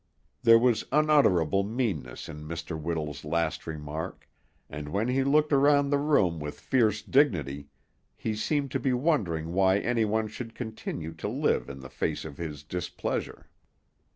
There was unutterable meanness in Mr. Whittle's last remark, and when he looked around the room with fierce dignity, he seemed to be wondering why any one should continue to live in the face of his displeasure.